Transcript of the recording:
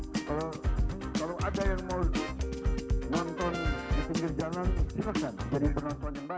kalau ada yang mau nonton di pinggir jalan silakan jadi penonton yang baik